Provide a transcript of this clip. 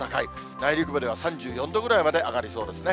内陸部では３４度ぐらいまで上がりそうですね。